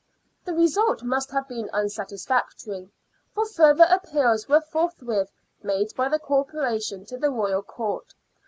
The result must have been unsatisfactory, for further appeals were forthwith made by the Corporation to the Royal Court.